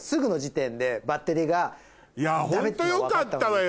いやホントよかったわよ。